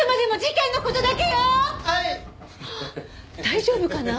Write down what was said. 大丈夫かな？